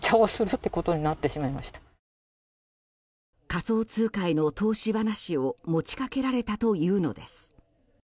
仮想通貨への投資話を持ち掛けられたというのです。